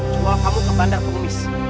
jual kamu ke bandar pemis